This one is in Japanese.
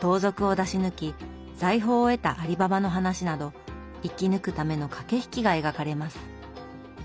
盗賊を出し抜き財宝を得たアリババの話など生き抜くための駆け引きが描かれます。